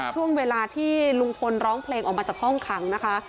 ช่วงเวลาที่ลุงพลร้องเพลงออกมาจากห้องขังนะคะ